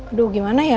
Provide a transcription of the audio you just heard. aduh gimana ya